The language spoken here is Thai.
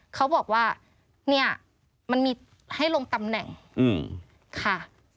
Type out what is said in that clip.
เขาบอกว่าเนี่ยมันมีให้ลงตำแหน่งค่ะ